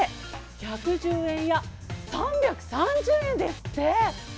１１０円や３３０円ですって。